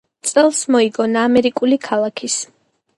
წელს მოიგონა ამერიკული ქალაქის